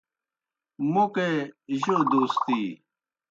موْکے جوْ دوستی